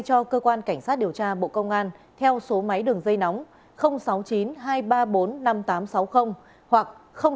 cho cơ quan cảnh sát điều tra bộ công an theo số máy đường dây nóng sáu mươi chín hai trăm ba mươi bốn năm nghìn tám trăm sáu mươi hoặc sáu mươi chín hai trăm ba mươi hai một nghìn sáu trăm bảy